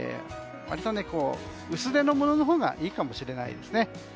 割と薄手のもののほうがいいかもしれないですね。